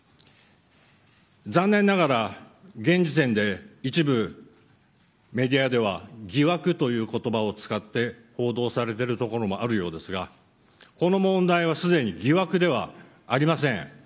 残念ながら、現時点で一部メディアでは疑惑という言葉を使って報道されているところもあるようですがこの問題はすでに疑惑ではありません。